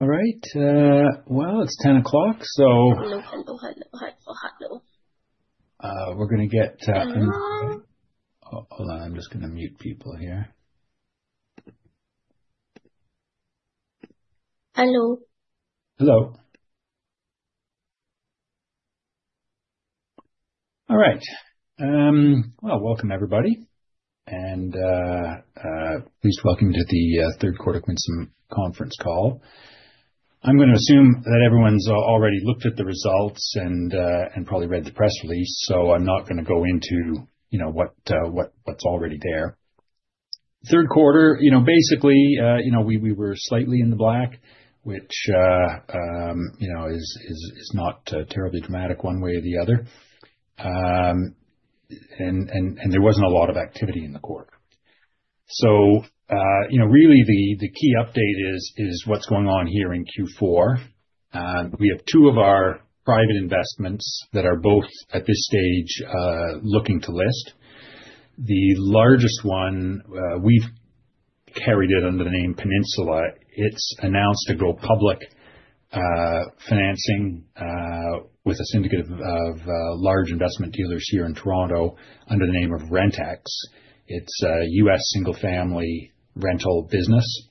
All right. Well, it's 10:00 A.M. Hello. Hold on. I'm just going to mute people here. Hello. Hello. All right. Well, welcome everybody, please welcome to the third quarter Quinsam conference call. I'm going to assume that everyone's already looked at the results and probably read the press release. I'm not going to go into what's already there. Third quarter, basically, we were slightly in the black, which is not terribly dramatic one way or the other. There wasn't a lot of activity in the quarter. Really the key update is what's going on here in Q4. We have two of our private investments that are both at this stage looking to list. The largest one we've carried it under the name Peninsula. It's announced a go public financing with a syndicate of large investment dealers here in Toronto under the name of Rentax. It's a U.S. single-family rental business.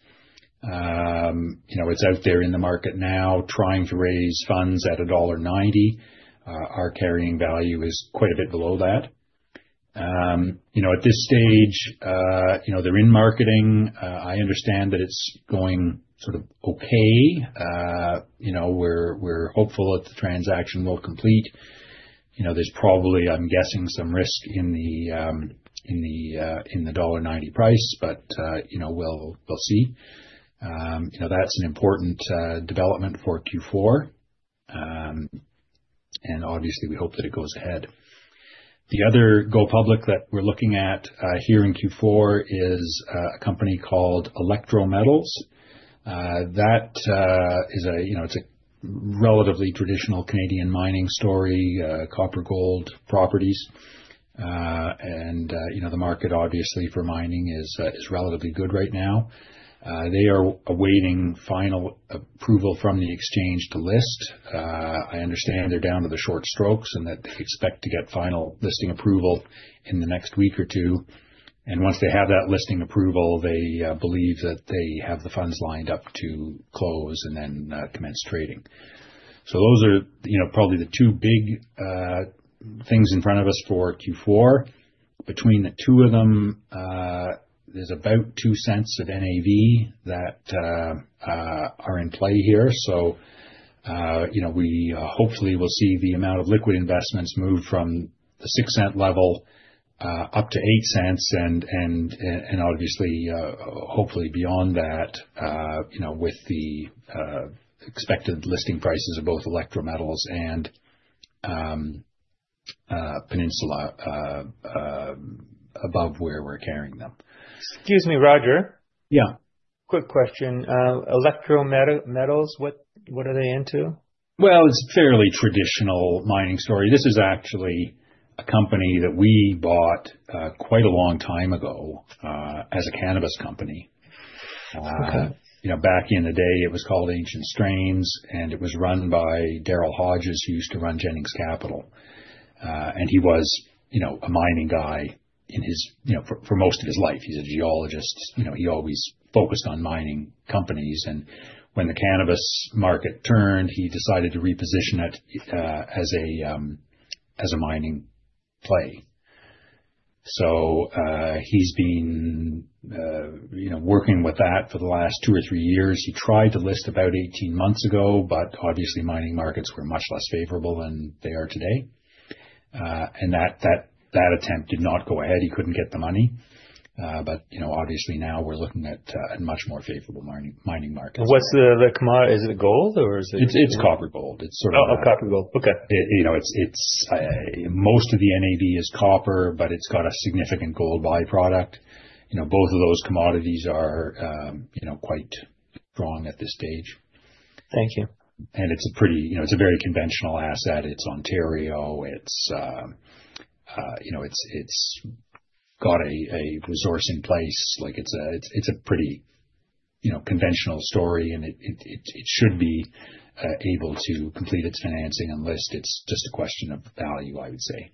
It's out there in the market now trying to raise funds at $1.90. Our carrying value is quite a bit below that. At this stage they're in marketing. I understand that it's going sort of okay. We're hopeful that the transaction will complete. There's probably, I'm guessing, some risk in the $1.90 price, we'll see. That's an important development for Q4, obviously we hope that it goes ahead. The other go public that we're looking at here in Q4 is a company called Electric Metals. That is a relatively traditional Canadian mining story, copper-gold properties. The market obviously for mining is relatively good right now. They are awaiting final approval from the exchange to list. I understand they're down to the short strokes and that they expect to get final listing approval in the next week or two. Once they have that listing approval, they believe that they have the funds lined up to close and then commence trading. Those are probably the two big things in front of us for Q4. Between the two of them, there's about 0.02 of NAV that are in play here, so we hopefully will see the amount of liquid investments move from the 0.06 level up to 0.08 and obviously hopefully beyond that with the expected listing prices of both Electric Metals and Peninsula above where we're carrying them. Excuse me, Roger. Yeah. Quick question. Electric Metals, what are they into? Well, it's a fairly traditional mining story. This is actually a company that we bought quite a long time ago as a cannabis company. Okay. Back in the day, it was called Ancient Strains, and it was run by Daryl Hodges, who used to run Jennings Capital. He was a mining guy for most of his life. He's a geologist. He always focused on mining companies, when the cannabis market turned, he decided to reposition it as a mining play. He's been working with that for the last two or three years. He tried to list about 18 months ago, obviously mining markets were much less favorable than they are today. That attempt did not go ahead. He couldn't get the money. Obviously now we're looking at a much more favorable mining market. What's the commodity? Is it gold, or It's copper gold. It's sort of. Oh, copper gold. Okay. Most of the NAV is copper, but it's got a significant gold by-product. Both of those commodities are quite strong at this stage. Thank you. It's a very conventional asset. It's Ontario. It's got a resource in place. It's a pretty conventional story, and it should be able to complete its financing and list. It's just a question of value, I would say.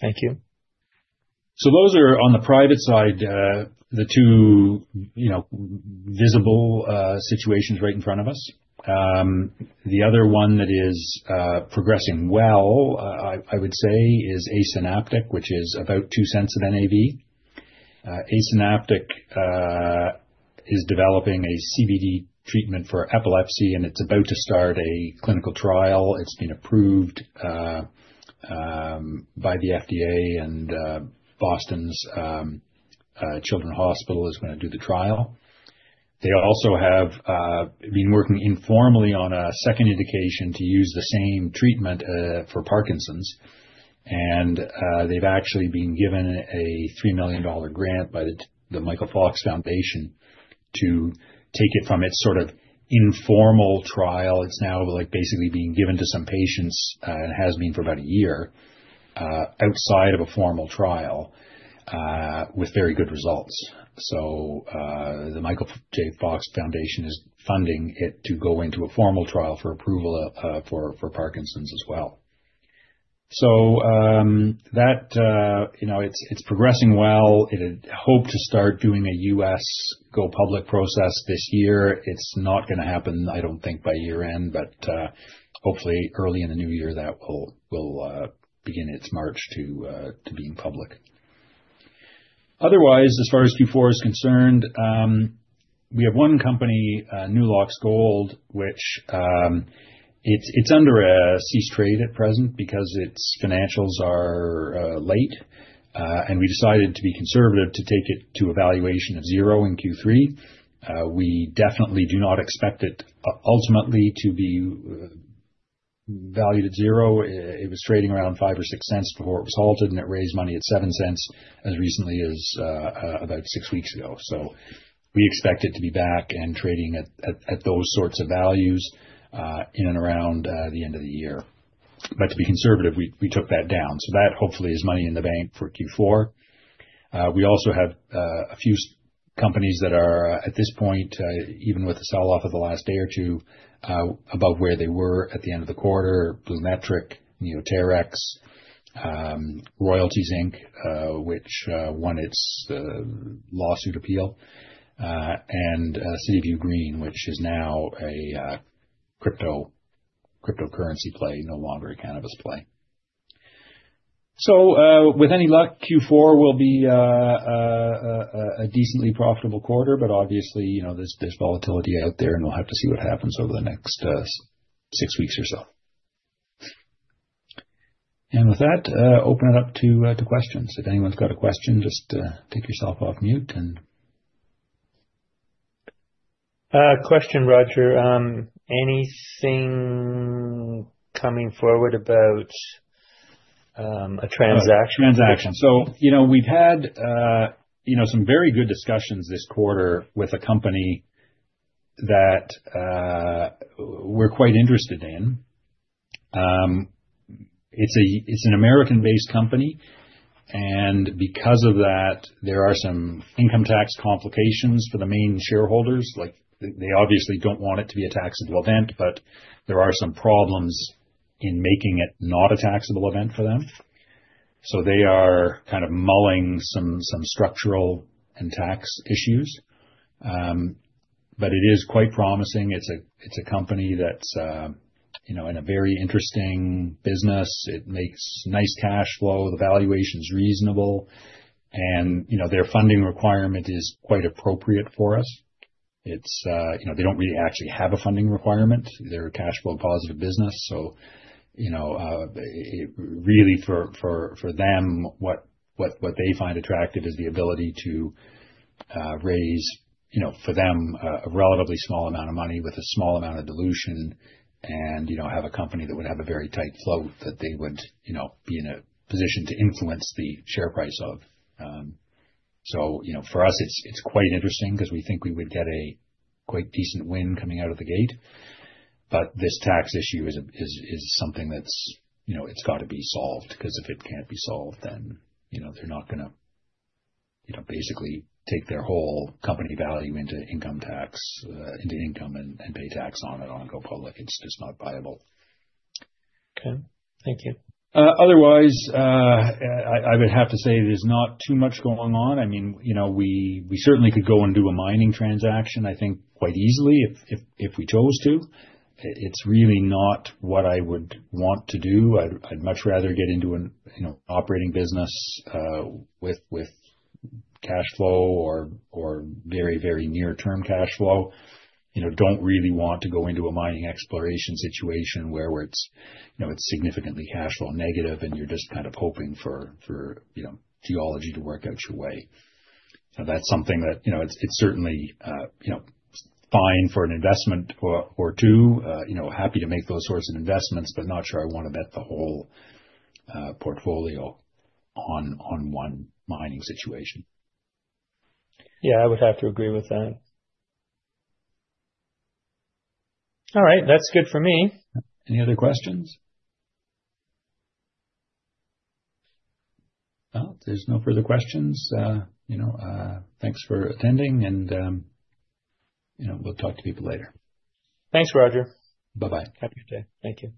Thank you. Those are on the private side the two visible situations right in front of us. The other one that is progressing well, I would say, is Asynaptic, which is about 0.02 of NAV. Asynaptic is developing a CBD treatment for epilepsy, and it's about to start a clinical trial. It's been approved by the FDA, and Boston Children's Hospital is going to do the trial. They also have been working informally on a second indication to use the same treatment for Parkinson's. They've actually been given a 3 million dollar grant by The Michael J. Fox Foundation to take it from its sort of informal trial. It's now basically being given to some patients, and has been for about a year, outside of a formal trial, with very good results. The Michael J. Fox Foundation is funding it to go into a formal trial for approval for Parkinson's as well. It's progressing well. It had hoped to start doing a U.S. go-public process this year. It's not going to happen, I don't think, by year-end, but hopefully early in the new year that will begin its march to being public. Otherwise, as far as Q4 is concerned, we have one company, Newlox Gold, which it's under a cease trade order at present because its financials are late. We decided to be conservative to take it to a valuation of zero in Q3. We definitely do not expect it, ultimately, to be valued at zero. It was trading around 0.05 or 0.06 before it was halted, and it raised money at 0.07 as recently as about six weeks ago. We expect it to be back and trading at those sorts of values in and around the end of the year. To be conservative, we took that down. That hopefully is money in the bank for Q4. We also have a few companies that are, at this point, even with the sell-off of the last day or two, about where they were at the end of the quarter. BluMetric, Neo Terex, Royalties Inc., which won its lawsuit appeal, and Seaview Green, which is now a cryptocurrency play, no longer a cannabis play. With any luck, Q4 will be a decently profitable quarter, but obviously, there's volatility out there, and we'll have to see what happens over the next six weeks or so. With that, open it up to questions. If anyone's got a question, just take yourself off mute and Question, Roger. Anything coming forward about a transaction? A transaction. We've had some very good discussions this quarter with a company that we're quite interested in. It's an American-based company, and because of that, there are some income tax complications for the main shareholders. They obviously don't want it to be a taxable event, there are some problems in making it not a taxable event for them. They are kind of mulling some structural and tax issues. It is quite promising. It's a company that's in a very interesting business. It makes nice cash flow. The valuation's reasonable. Their funding requirement is quite appropriate for us. They don't really actually have a funding requirement. They're a cash flow positive business. Really, for them, what they find attractive is the ability to raise, for them, a relatively small amount of money with a small amount of dilution and have a company that would have a very tight float that they would be in a position to influence the share price of. For us, it's quite interesting because we think we would get a quite decent win coming out of the gate. This tax issue is something that's got to be solved, because if it can't be solved, they're not going to basically take their whole company value into income and pay tax on it on go public. It's just not viable. Okay. Thank you. Otherwise, I would have to say there's not too much going on. We certainly could go and do a mining transaction, I think, quite easily if we chose to. It's really not what I would want to do. I'd much rather get into an operating business with cash flow or very near-term cash flow. Don't really want to go into a mining exploration situation where it's significantly cash flow negative and you're just kind of hoping for geology to work out your way. That's something that it's certainly fine for an investment or two. Happy to make those sorts of investments, not sure I want to bet the whole portfolio on one mining situation. Yeah, I would have to agree with that. All right. That's good for me. Any other questions? If there's no further questions, thanks for attending, we'll talk to people later. Thanks, Roger. Bye-bye. Have a good day. Thank you.